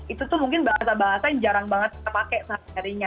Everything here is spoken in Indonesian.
itu tuh mungkin bahasa bahasa yang jarang banget kita pakai seharinya